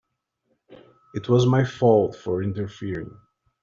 It was my fault for interfering.